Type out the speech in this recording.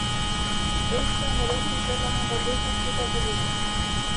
Ésta parece ser la única pieza escrita por Riley.